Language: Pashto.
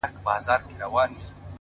• بلبلان د خپل بهار یو ګوندي راسي ,